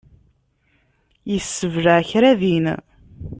Yessebleɛ kra din.